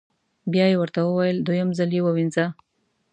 بیا یې ورته وویل: دویم ځل یې ووینځه.